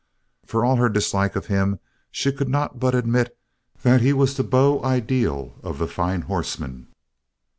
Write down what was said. For all her dislike of him she could not but admit that he was the beau ideal of the fine horseman.